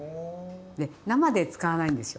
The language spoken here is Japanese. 生で使わないんですよ。